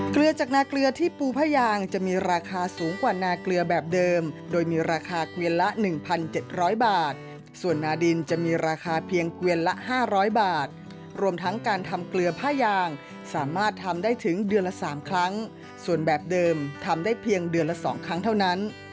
เกลือจากนาเกลือที่ปูผ้ายางจะมีราคาสูงกว่านาเกลือแบบเดิมโดยมีราคาเกวียนละ๑๗๐๐บาทส่วนนาดินจะมีราคาเพียงเกวียนละ๕๐๐บาทรวมทั้งการทำเกลือผ้ายางสามารถทำได้ถึงเดือนละ๓ครั้งส่วนแบบเดิมทำได้เพียงเดือนละ๒ครั้งเท่านั้น